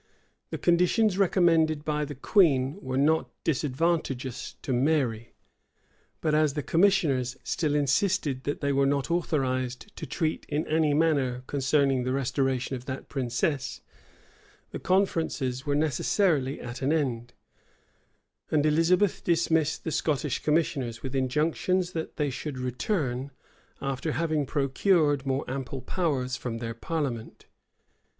The conditions recommended by the queen were not disadvantageous to Mary; but as the commissioners still insisted that they were not authorized to treat in any manner concerning the restoration of that princess,[] the conferences were necessarily at an end; and Elizabeth dismissed the Scottish commissioners, with injunctions that they should return, after having procured more ample powers from their parliament.